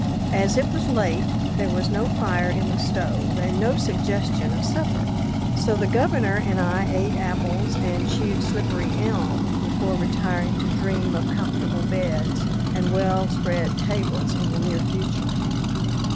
As it was late, there was no fire in the stove and no suggestion of supper, so the Governor and I ate apples and chewed slippery elm before retiring to dream of comfortable beds and well spread tables in the near future.